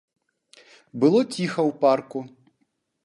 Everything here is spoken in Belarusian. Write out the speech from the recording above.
Было ціха ў парку.